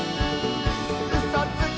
「うそつき！」